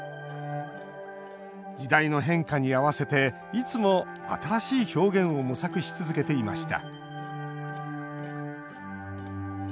時代の変化に合わせていつも、新しい表現を模索し続けていました